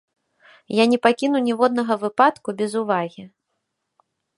Я не пакіну ніводнага выпадку без увагі.